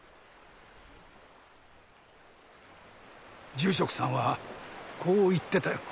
住職さんはこう言ってたよ。